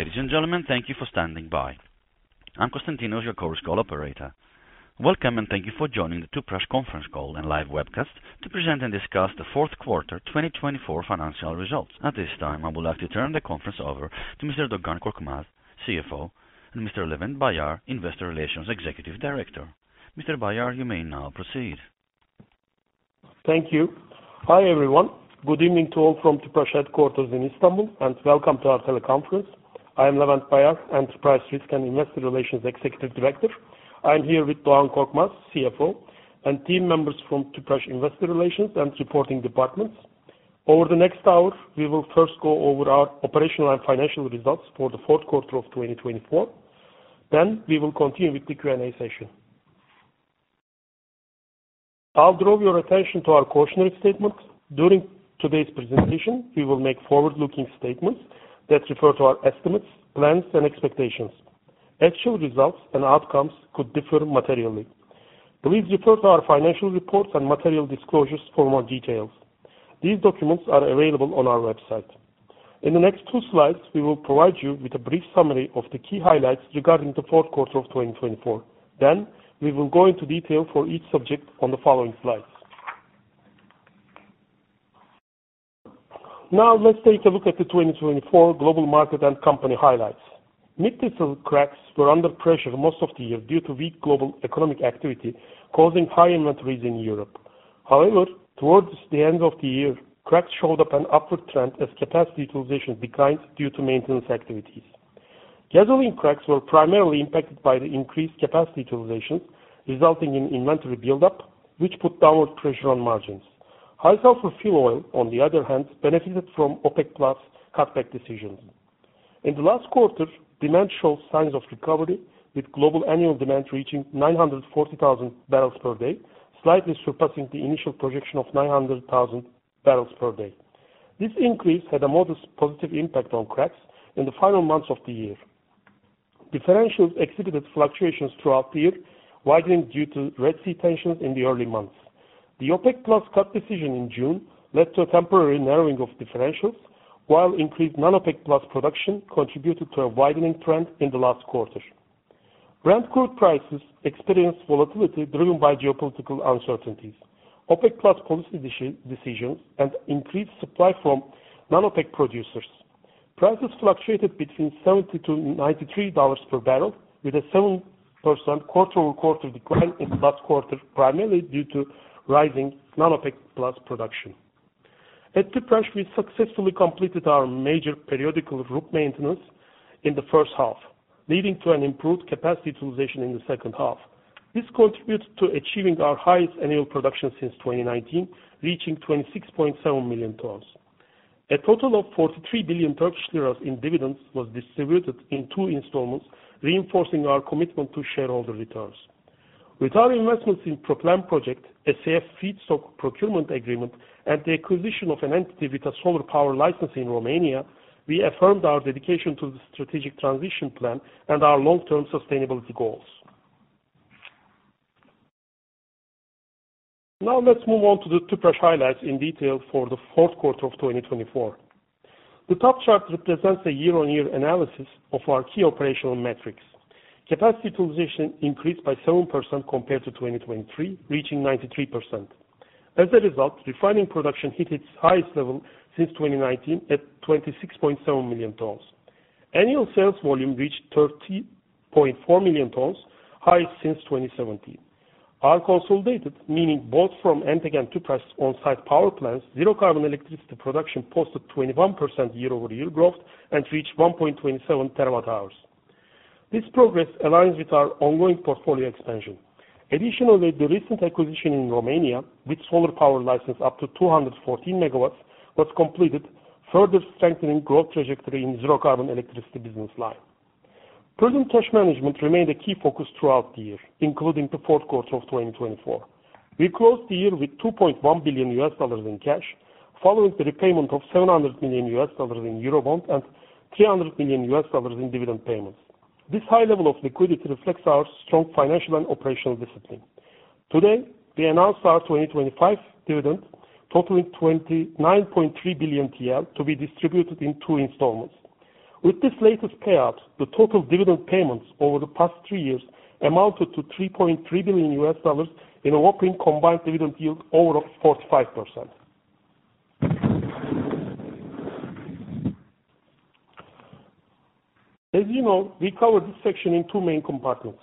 Ladies and gentlemen, thank you for standing by. I'm Konstantinos, you Chorus Call operator. Welcome, and thank you for joining the Tüpraş conference call and live webcast to present and discuss the fourth quarter 2024 financial results. At this time, I would like to turn the conference over to Mr. Doğan Korkmaz, CFO, and Mr. Levent Bayar, Investor Relations Executive Director. Mr. Bayar, you may now proceed. Thank you. Hi everyone, good evening to all from Tüpraş headquarters in Istanbul, and welcome to our teleconference. I am Levent Bayar, Enterprise Risk and Investor Relations Executive Director. I'm here with Doğan Korkmaz, CFO, and team members from Tüpraş Investor Relations and Reporting Departments. Over the next hour, we will first go over our operational and financial results for the fourth quarter of 2024. Then we will continue with the Q&A session. I'll draw your attention to our cautionary statement. During today's presentation, we will make forward-looking statements that refer to our estimates, plans, and expectations. Actual results and outcomes could differ materially. Please refer to our financial reports and material disclosures for more details. These documents are available on our website. In the next two slides, we will provide you with a brief summary of the key highlights regarding the fourth quarter of 2024. Then we will go into detail for each subject on the following slides. Now, let's take a look at the 2024 global market and company highlights. Mid-distillate cracks were under pressure most of the year due to weak global economic activity, causing high inventories in Europe. However, towards the end of the year, cracks showed an upward trend as capacity utilization declined due to maintenance activities. Gasoline cracks were primarily impacted by the increased capacity utilization, resulting in inventory buildup, which put downward pressure on margins. High sulfur fuel oil, on the other hand, benefited from OPEC+ cutback decisions. In the last quarter, demand showed signs of recovery, with global annual demand reaching 940,000 bbls per day, slightly surpassing the initial projection of 900,000 bbls per day. This increase had a modest positive impact on cracks in the final months of the year. Differentials exhibited fluctuations throughout the year, widening due to Red Sea tensions in the early months. The OPEC+ cut decision in June led to a temporary narrowing of differentials, while increased non-OPEC+ production contributed to a widening trend in the last quarter. Brent crude prices experienced volatility driven by geopolitical uncertainties, OPEC+ policy decisions, and increased supply from non-OPEC producers. Prices fluctuated between $72 and $93 per barrel, with a 7% quarter-over-quarter decline in the last quarter, primarily due to rising non-OPEC+ production. At Tüpraş, we successfully completed our major periodic turnaround maintenance in the first half, leading to an improved capacity utilization in the second half. This contributed to achieving our highest annual production since 2019, reaching 26.7 million tons. A total of 43 billion Turkish lira in dividends was distributed in two installments, reinforcing our commitment to shareholder returns. With our investments in the PROPLAN project, a SAF feedstock procurement agreement, and the acquisition of an entity with a solar power license in Romania, we affirmed our dedication to the strategic transition plan and our long-term sustainability goals. Now, let's move on to the Tüpraş highlights in detail for the fourth quarter of 2024. The top chart represents a year-on-year analysis of our key operational metrics. Capacity utilization increased by 7% compared to 2023, reaching 93%. As a result, refining production hit its highest level since 2019 at 26.7 million tons. Annual sales volume reached 30.4 million tons, highest since 2017. Our consolidated, meaning both from Entek Tüpraş on-site power plants, zero-carbon electricity production posted 21% year-over-year growth and reached 1.27 TW-hours. This progress aligns with our ongoing portfolio expansion. Additionally, the recent acquisition in Romania, with solar power license up to 214 MW, was completed, further strengthening growth trajectory in the zero-carbon electricity business line. Prudent cash management remained a key focus throughout the year, including the fourth quarter of 2024. We closed the year with $2.1 billion in cash, following the repayment of $700 million in Eurobond and $300 million in dividend payments. This high level of liquidity reflects our strong financial and operational discipline. Today, we announced our 2025 dividend, totaling 29.3 billion TL, to be distributed in two installments. With this latest payout, the total dividend payments over the past three years amounted to $3.3 billion in a whopping combined dividend yield over 45%. As you know, we cover this section in two main components: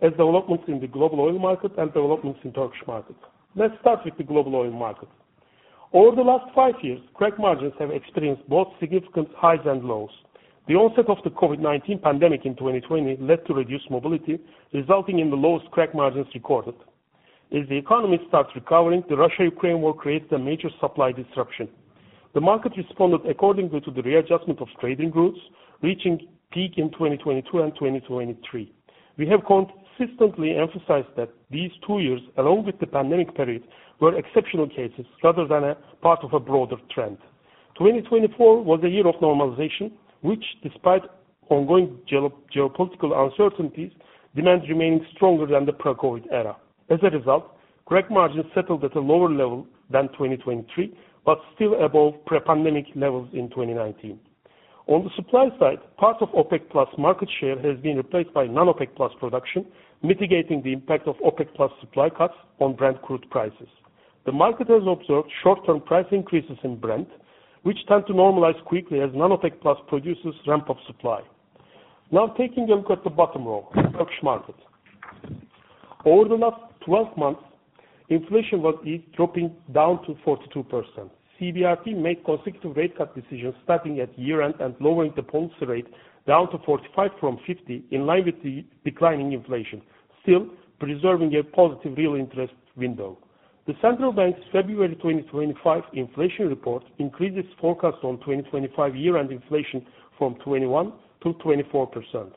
developments in the global oil market and developments in the Turkish market. Let's start with the global oil market. Over the last five years, crack margins have experienced both significant highs and lows. The onset of the COVID-19 pandemic in 2020 led to reduced mobility, resulting in the lowest crack margins recorded. As the economy started recovering, the Russia-Ukraine war created a major supply disruption. The market responded accordingly to the readjustment of trading routes, reaching peak in 2022 and 2023. We have consistently emphasized that these two years, along with the pandemic period, were exceptional cases rather than a part of a broader trend. 2024 was a year of normalization, which, despite ongoing geopolitical uncertainties, demand remained stronger than the pre-COVID era. As a result, crack margins settled at a lower level than 2023, but still above pre-pandemic levels in 2019. On the supply side, part of OPEC+ market share has been replaced by non-OPEC+ production, mitigating the impact of OPEC+ supply cuts on Brent crude prices. The market has observed short-term price increases in Brent, which tend to normalize quickly as non-OPEC+ producers ramp up supply. Now, taking a look at the bottom row, the Turkish market. Over the last 12 months, inflation was dropping down to 42%. CBRT made consecutive rate cut decisions starting at year-end and lowering the policy rate down to 45% from 50%, in line with the declining inflation, still preserving a positive real interest window. The central bank's February 2025 inflation report increased its forecast on 2025 year-end inflation from 21%-24%.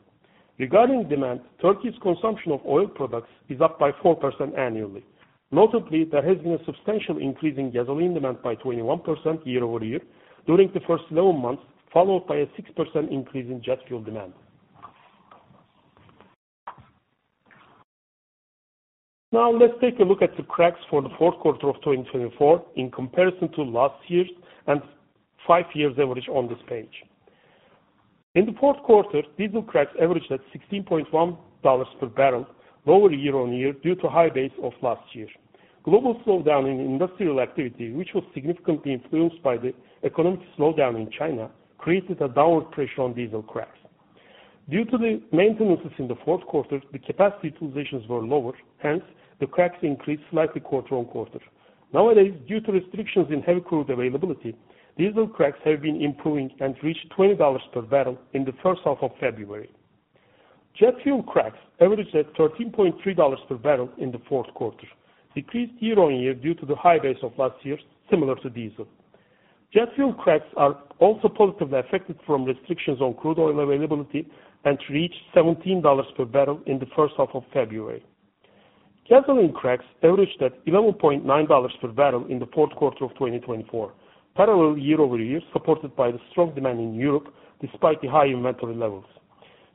Regarding demand, Turkey's consumption of oil products is up by 4% annually. Notably, there has been a substantial increase in gasoline demand by 21% year-over-year during the first 11 months, followed by a 6% increase in jet fuel demand. Now, let's take a look at the cracks for the fourth quarter of 2024 in comparison to last year's and five years' average on this page. In the fourth quarter, diesel cracks averaged at $16.1 per barrel, lower year-on-year due to the high base of last year. Global slowdown in industrial activity, which was significantly influenced by the economic slowdown in China, created a downward pressure on diesel cracks. Due to the maintenances in the fourth quarter, the capacity utilizations were lower. Hence, the cracks increased slightly quarter-on-quarter. Nowadays, due to restrictions in heavy crude availability, diesel cracks have been improving and reached $20 per barrel in the first half of February. Jet fuel cracks averaged at $13.3 per barrel in the fourth quarter, decreased year-on-year due to the high base of last year, similar to diesel. Jet fuel cracks are also positively affected from restrictions on crude oil availability and reached $17 per barrel in the first half of February. Gasoline cracks averaged at $11.9 per barrel in the fourth quarter of 2024, parallel year-over-year supported by the strong demand in Europe despite the high inventory levels.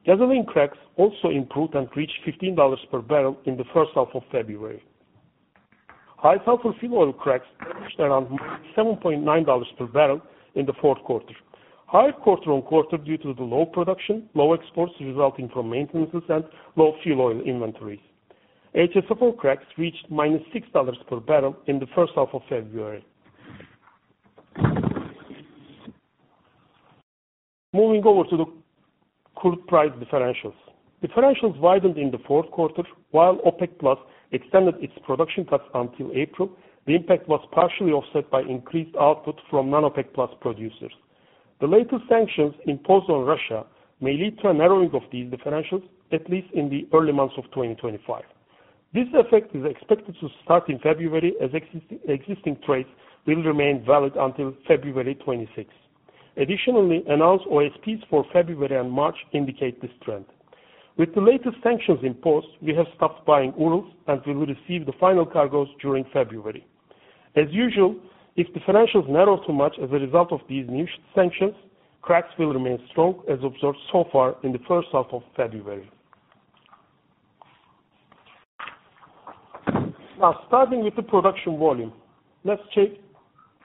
Gasoline cracks also improved and reached $15 per barrel in the first half of February. High-sulfur fuel oil cracks reached around $7.9 per barrel in the fourth quarter, higher quarter-on-quarter due to the low production, low exports resulting from maintenances, and low fuel oil inventories. HSFO cracks reached -$6 per barrel in the first half of February. Moving over to the crude price differentials. Differentials widened in the fourth quarter. While OPEC+ extended its production cuts until April, the impact was partially offset by increased output from non-OPEC+ producers. The latest sanctions imposed on Russia may lead to a narrowing of these differentials, at least in the early months of 2025. This effect is expected to start in February, as existing trades will remain valid until February 26. Additionally, announced OSPs for February and March indicate this trend. With the latest sanctions imposed, we have stopped buying oil and will receive the final cargoes during February. As usual, if differentials narrow too much as a result of these new sanctions, cracks will remain strong, as observed so far in the first half of February. Now, starting with the production volume, let's check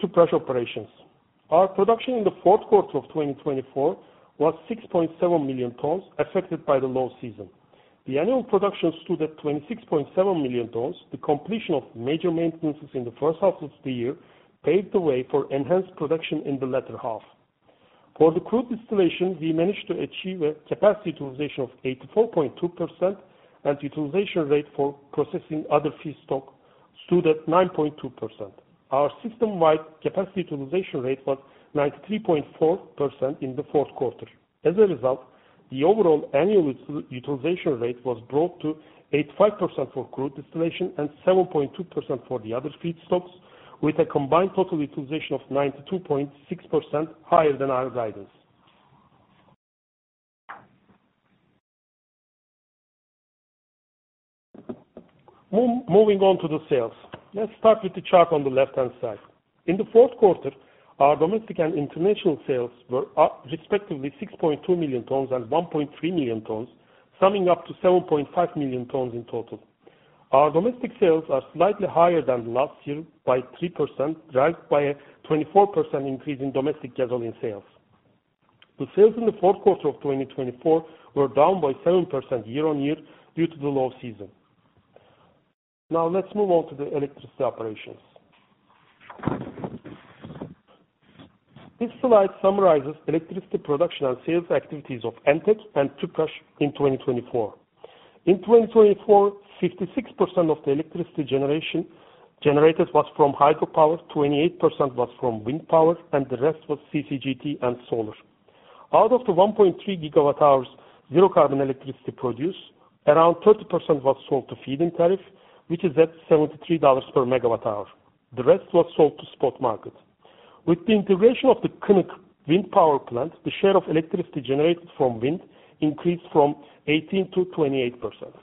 Tüpraş operations. Our production in the fourth quarter of 2024 was 6.7 million tons, affected by the low season. The annual production stood at 26.7 million tons. The completion of major maintenances in the first half of the year paved the way for enhanced production in the latter half. For the crude distillation, we managed to achieve a capacity utilization of 84.2%, and the utilization rate for processing other feedstock stood at 9.2%. Our system-wide capacity utilization rate was 93.4% in the fourth quarter. As a result, the overall annual utilization rate was brought to 85% for crude distillation and 7.2% for the other feedstocks, with a combined total utilization of 92.6%, higher than our guidance. Moving on to the sales, let's start with the chart on the left-hand side. In the fourth quarter, our domestic and international sales were respectively 6.2 million tons and 1.3 million tons, summing up to 7.5 million tons in total. Our domestic sales are slightly higher than last year by 3%, driven by a 24% increase in domestic gasoline sales. The sales in the fourth quarter of 2024 were down by 7% year-on-year due to the low season. Now, let's move on to the electricity operations. This slide summarizes electricity production and sales activities of Entek and Tüpraş in 2024. In 2024, 56% of the electricity generated was from hydropower, 28% was from wind power, and the rest was CCGT and solar. Out of the 1.3 GW-hours zero-carbon electricity produced, around 30% was sold to feed-in tariff, which is at $73 per MW-hour. The rest was sold to spot market. With the integration of the Kınık wind power plant, the share of electricity generated from wind increased from 18%-28%.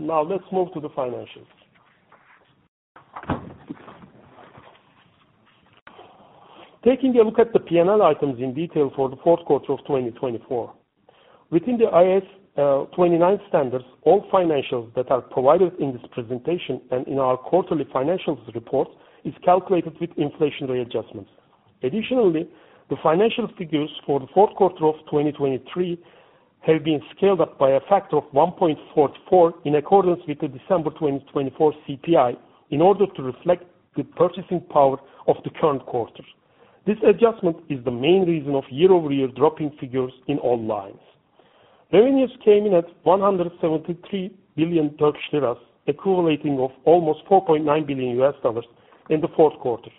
Now, let's move to the financials. Taking a look at the P&L items in detail for the fourth quarter of 2024, within the IAS 29 standards, all financials that are provided in this presentation and in our quarterly financials report is calculated with inflationary adjustments. Additionally, the financial figures for the fourth quarter of 2023 have been scaled up by a factor of 1.44 in accordance with the December 2024 CPI in order to reflect the purchasing power of the current quarter. This adjustment is the main reason of year-over-year dropping figures in all lines. Revenues came in at 173 billion Turkish lira, equating to almost $4.9 billion in the fourth quarter,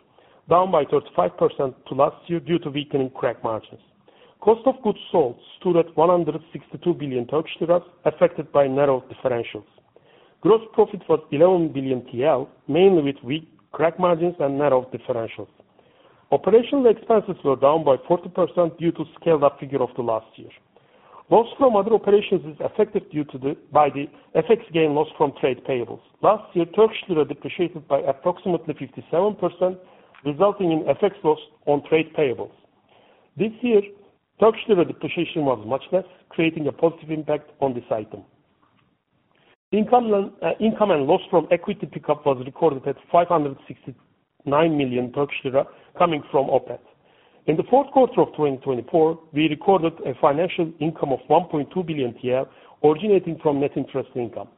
down by 35% to last year due to weakening crack margins. Cost of goods sold stood at 162 billion Turkish lira, affected by narrow differentials. Gross profit was 11 billion TL, mainly with weak crack margins and narrow differentials. Operational expenses were down by 40% due to the scaled-up figure of the last year. Loss from other operations is affected by the FX gain/loss from trade payables. Last year, Turkish lira depreciated by approximately 57%, resulting in FX loss on trade payables. This year, Turkish lira depreciation was much less, creating a positive impact on this item. Income and loss from equity pickup was recorded at 569 million Turkish lira, coming from OPEC. In the fourth quarter of 2024, we recorded a financial income of 1.2 billion TL, originating from net interest income.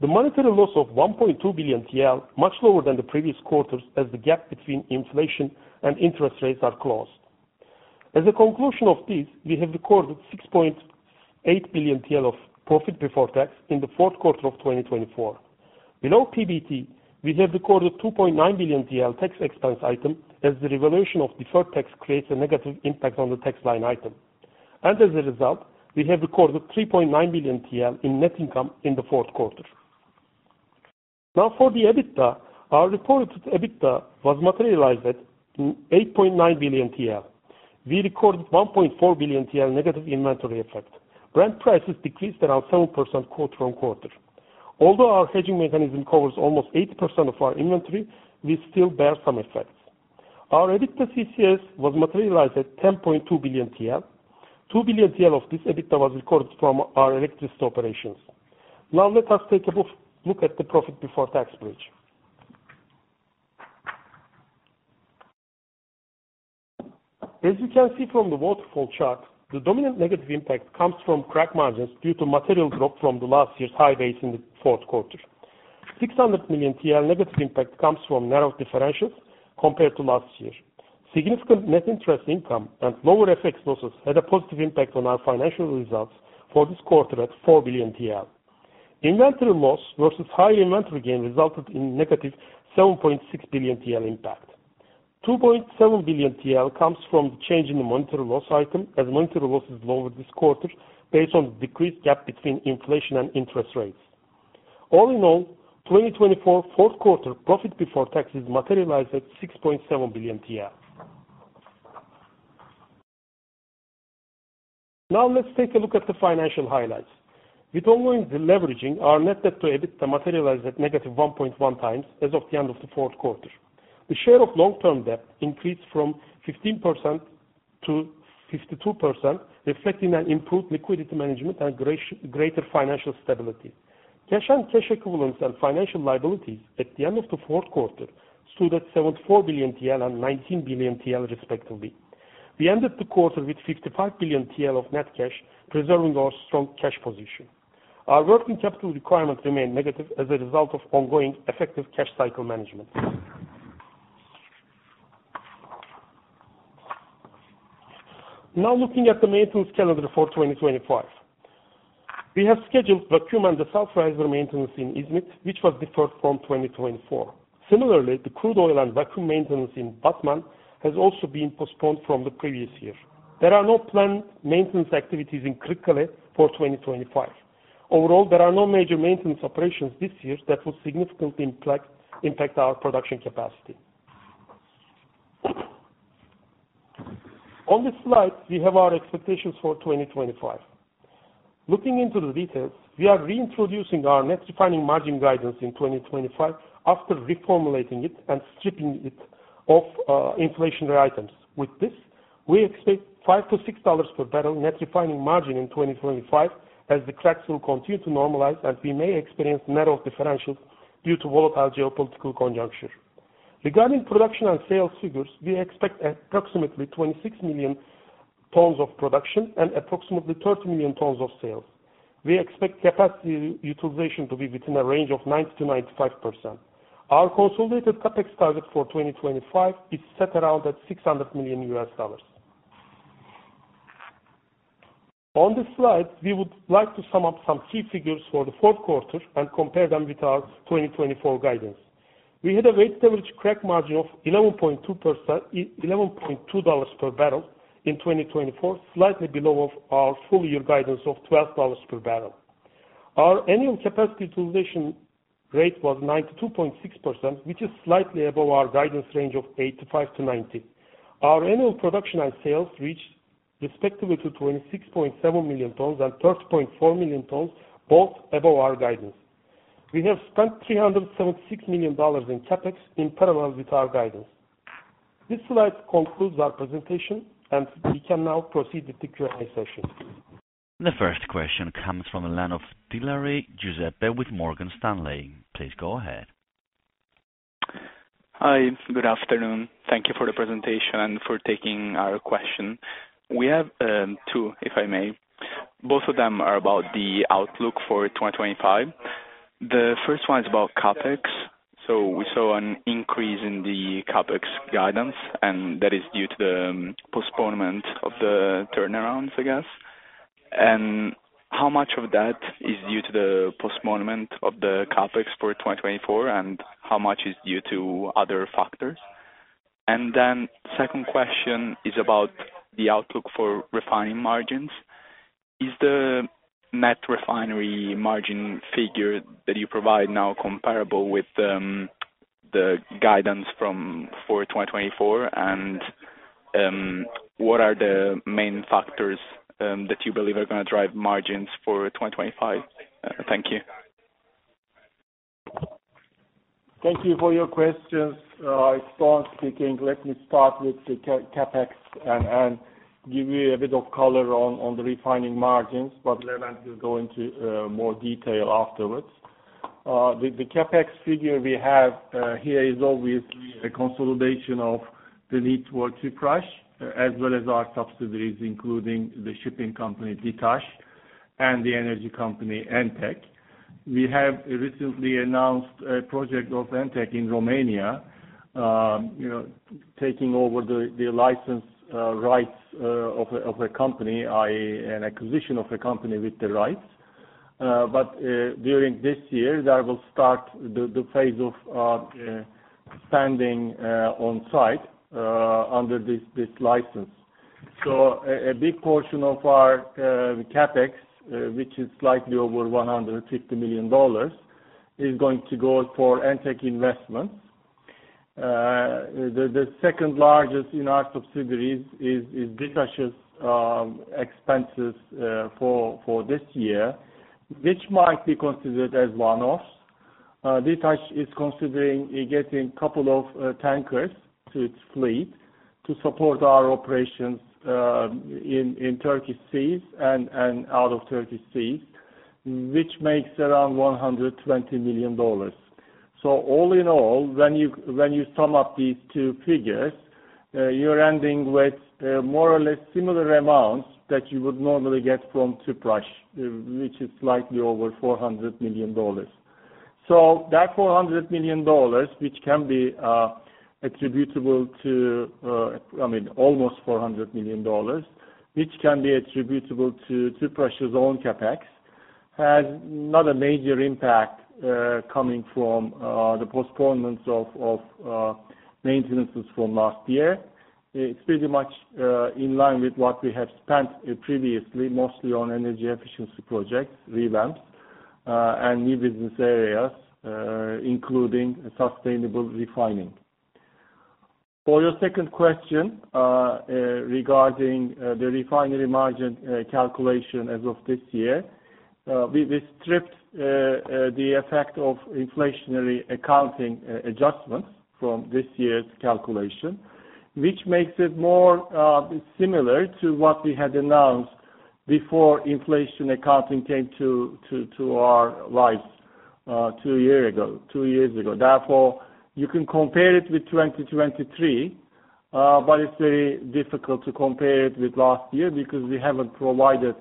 The monetary loss of 1.2 billion TL is much lower than the previous quarters, as the gap between inflation and interest rates is closed. As a conclusion of this, we have recorded 6.8 billion TL of profit before tax in the fourth quarter of 2024. Below PBT, we have recorded 2.9 billion tax expense item, as the reversal of deferred tax creates a negative impact on the tax line item. As a result, we have recorded 3.9 billion TL in net income in the fourth quarter. Now, for the EBITDA, our reported EBITDA was materialized at 8.9 billion TL. We recorded 1.4 billion TL negative inventory effect. Brent prices decreased around 7% quarter-on-quarter. Although our hedging mechanism covers almost 80% of our inventory, we still bear some effects. Our EBITDA CCS was materialized at 10.2 billion TL. Two billion TRY of this EBITDA was recorded from our electricity operations. Now, let us take a look at the profit before tax bridge. As you can see from the waterfall chart, the dominant negative impact comes from crack margins due to material drop from the last year's high base in the fourth quarter. 600 million TL negative impact comes from narrow differentials compared to last year. Significant net interest income and lower FX losses had a positive impact on our financial results for this quarter at 4 billion TL. Inventory loss versus high inventory gain resulted in a negative 7.6 billion TL impact. 2.7 billion TL comes from the change in the monetary loss item, as monetary loss is lower this quarter based on the decreased gap between inflation and interest rates. All in all, 2024 fourth quarter profit before tax is materialized at 6.7 billion TL. Now, let's take a look at the financial highlights. With ongoing deleveraging, our net debt to EBITDA materialized at negative 1.1 times as of the end of the fourth quarter. The share of long-term debt increased from 15%-52%, reflecting an improved liquidity management and greater financial stability. Cash and cash equivalents and financial liabilities at the end of the fourth quarter stood at 74 billion TL and 19 billion TL, respectively. We ended the quarter with 55 billion TL of net cash, preserving our strong cash position. Our working capital requirements remained negative as a result of ongoing effective cash cycle management. Now, looking at the maintenance calendar for 2025, we have scheduled vacuum and desulfurizer maintenance in Izmit, which was deferred from 2024. Similarly, the crude oil and vacuum maintenance in Batman has also been postponed from the previous year. There are no planned maintenance activities in Kırıkkale for 2025. Overall, there are no major maintenance operations this year that would significantly impact our production capacity. On this slide, we have our expectations for 2025. Looking into the details, we are reintroducing our net refining margin guidance in 2025 after reformulating it and stripping it of inflationary items. With this, we expect $5-$6 per barrel net refining margin in 2025, as the cracks will continue to normalize and we may experience narrow differentials due to volatile geopolitical conjuncture. Regarding production and sales figures, we expect approximately 26 million tons of production and approximately 30 million tons of sales. We expect capacity utilization to be within a range of 90%-95%. Our consolidated CapEx target for 2025 is set around $600 million. On this slide, we would like to sum up some key figures for the fourth quarter and compare them with our 2024 guidance. We had a weighted average crack margin of $11.2 per barrel in 2024, slightly below our full-year guidance of $12 per barrel. Our annual capacity utilization rate was 92.6%, which is slightly above our guidance range of 85%-90%. Our annual production and sales reached respectively 26.7 million tons and 30.4 million tons, both above our guidance. We have spent $376 million in CapEx in parallel with our guidance. This slide concludes our presentation, and we can now proceed with the Q&A session. The first question comes from Villari Giuseppe with Morgan Stanley. Please go ahead. Hi, good afternoon. Thank you for the presentation and for taking our question. We have two, if I may. Both of them are about the outlook for 2025. The first one is about CapEx. So we saw an increase in the CapEx guidance, and that is due to the postponement of the turnarounds, I guess. And how much of that is due to the postponement of the CapEx for 2024, and how much is due to other factors? And then the second question is about the outlook for refining margins. Is the net refinery margin figure that you provide now comparable with the guidance from for 2024? And what are the main factors that you believe are going to drive margins for 2025? Thank you. Thank you for your questions. It's Dogan speaking. Let me start with the CapEx and give you a bit of color on the refining margins, but Levent will go into more detail afterwards. The CapEx figure we have here is always a consolidation of the need for Tüpraş, as well as our subsidiaries, including the shipping company Ditaş and the energy company Entek. We have recently announced a project of Entek in Romania, taking over the license rights of a company, i.e., an acquisition of a company with the rights. But during this year, there will start the phase of spending on site under this license. So a big portion of our CapEx, which is slightly over $150 million, is going to go for Entek investments. The second largest in our subsidiaries is Ditaş's expenses for this year, which might be considered as one-offs. Ditaş is considering getting a couple of tankers to its fleet to support our operations in Turkish seas and out of Turkish seas, which makes around $120 million. So all in all, when you sum up these two figures, you're ending with more or less similar amounts that you would normally get from Tüpraş, which is slightly over $400 million. So that $400 million, which can be attributable to, I mean, almost $400 million, which can be attributable to Tüpraş's own CapEx, has not a major impact coming from the postponements of maintenances from last year. It's pretty much in line with what we have spent previously, mostly on energy efficiency projects, revamps, and new business areas, including sustainable refining. For your second question regarding the refinery margin calculation as of this year, we've stripped the effect of inflationary accounting adjustments from this year's calculation, which makes it more similar to what we had announced before inflation accounting came to our lives two years ago. Therefore, you can compare it with 2023, but it's very difficult to compare it with last year because we haven't provided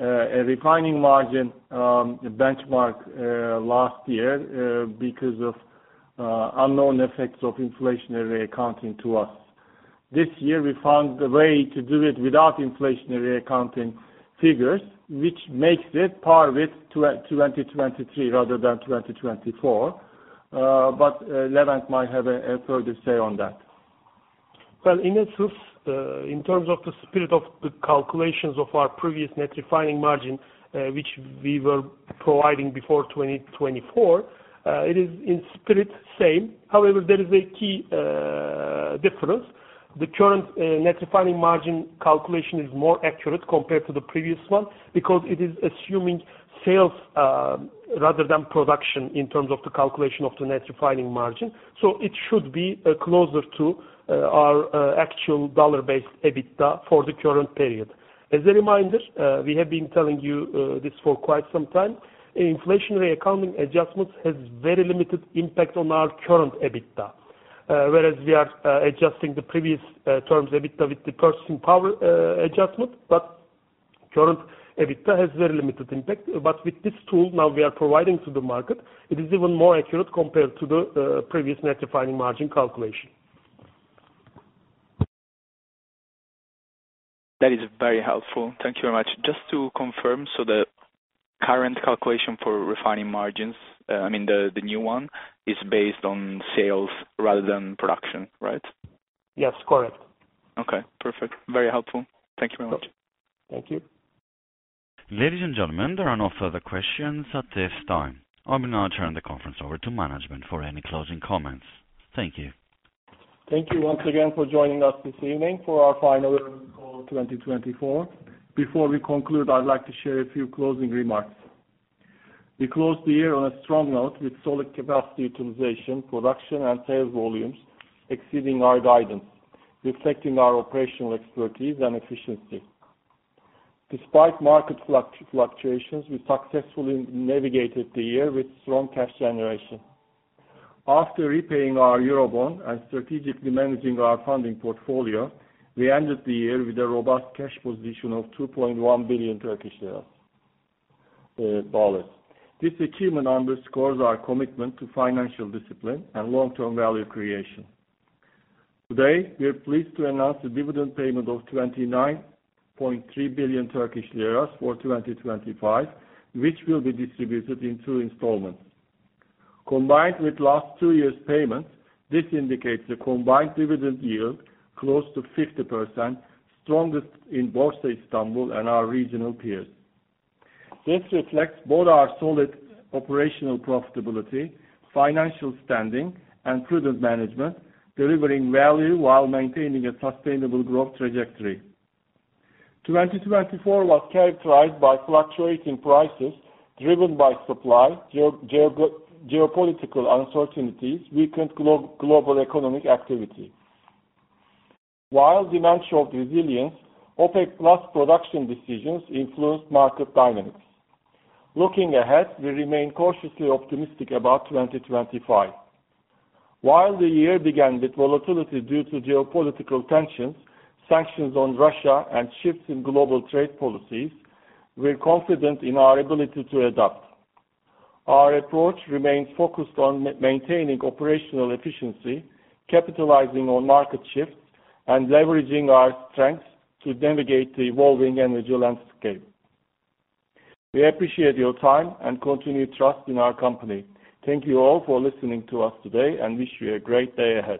a refining margin benchmark last year because of unknown effects of inflationary accounting to us. This year, we found a way to do it without inflationary accounting figures, which makes it on par with 2023 rather than 2024. Levent might have a further say on that. Well, in terms of the spirit of the calculations of our previous net refining margin, which we were providing before 2024, it is in spirit same. However, there is a key difference. The current net refining margin calculation is more accurate compared to the previous one because it is assuming sales rather than production in terms of the calculation of the net refining margin. So it should be closer to our actual dollar-based EBITDA for the current period. As a reminder, we have been telling you this for quite some time. Inflationary accounting adjustments have very limited impact on our current EBITDA, whereas we are adjusting the previous years' EBITDA with the purchasing power adjustment. But current EBITDA has very limited impact. But with this tool now we are providing to the market, it is even more accurate compared to the previous net refining margin calculation. That is very helpful. Thank you very much. Just to confirm, so the current calculation for refining margins, I mean, the new one, is based on sales rather than production, right? Yes, correct. Okay, perfect. Very helpful. Thank you very much. Thank you. Ladies and gentlemen, there are no further questions at this time. I'm now turning the conference over to management for any closing comments. Thank you. Thank you once again for joining us this evening for our final call 2024. Before we conclude, I'd like to share a few closing remarks. We closed the year on a strong note with solid capacity utilization, production, and sales volumes exceeding our guidance, reflecting our operational expertise and efficiency. Despite market fluctuations, we successfully navigated the year with strong cash generation. After repaying our Eurobond and strategically managing our funding portfolio, we ended the year with a robust cash position of 2.1 billion Turkish lira. This achievement underscores our commitment to financial discipline and long-term value creation. Today, we are pleased to announce a dividend payment of 29.3 billion Turkish lira for 2025, which will be distributed in two installments. Combined with last two years' payments, this indicates a combined dividend yield close to 50%, strongest in Borsa Istanbul and our regional peers. This reflects both our solid operational profitability, financial standing, and prudent management, delivering value while maintaining a sustainable growth trajectory. 2024 was characterized by fluctuating prices driven by supply, geopolitical uncertainties, weakened global economic activity. While demand showed resilience, OPEC+ production decisions influenced market dynamics. Looking ahead, we remain cautiously optimistic about 2025. While the year began with volatility due to geopolitical tensions, sanctions on Russia, and shifts in global trade policies, we're confident in our ability to adapt. Our approach remains focused on maintaining operational efficiency, capitalizing on market shifts, and leveraging our strengths to navigate the evolving energy landscape. We appreciate your time and continue trust in our company. Thank you all for listening to us today and wish you a great day ahead.